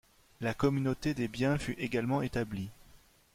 La communauté des biens fut également établie.